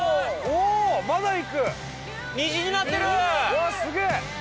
うわすげえ！